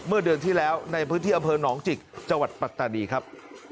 เมื่อเดือนที่แล้วในพื้นที่อำเภอหนองจิกจังหวัดปัตตานีครับ